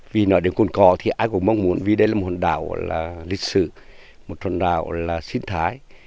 vì nói đến cồn cỏ thì ai cũng mong muốn vì đây là một đảo lịch sử một đảo sinh thái